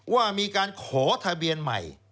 ว่ามีการขอทะเบียนใหม่